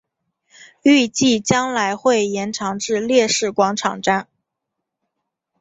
预计将来会延长至烈士广场站。